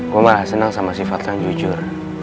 gue malah senang sama sifat yang jujur